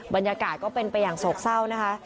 บรรยากาศก็เป็นไปอย่างโศกเศร้านะคะ